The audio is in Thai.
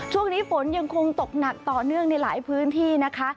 ช่วงนี้ฝนยังคงตกหนักต่อเนื่องในหลายพื้นที่นะคะ